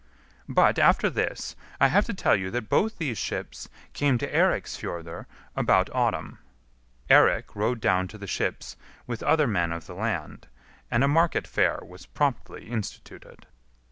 But, after this, I have to tell you that both these ships came to Eiriksfjordr about autumn. Eirik rode down to the ships with other men of the land, and a market fair was promptly instituted.